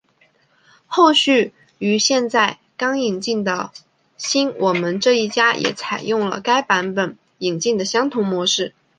后续于现在刚引进的新我们这一家也采用了该版权引进的相同模式。